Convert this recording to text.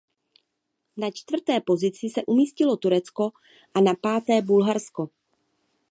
Na čtvrté pozici se umístilo Turecko a na páté Bulharsko.